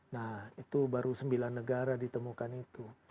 nah itu baru sembilan negara ditemukan itu